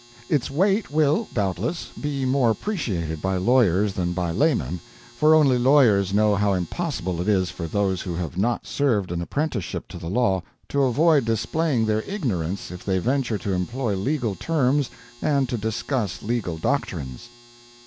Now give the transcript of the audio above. Its weight will, doubtless, be more appreciated by lawyers than by laymen, for only lawyers know how impossible it is for those who have not served an apprenticeship to the law to avoid displaying their ignorance if they venture to employ legal terms and to discuss legal doctrines.